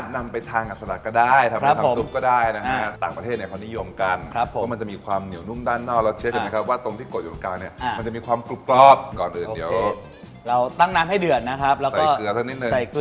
ไหนล้อเล่นที่เลือกเส้นนี้เนี่ยนะครับเพราะว่ามันสามารถนำไปทางอาสระก็ได้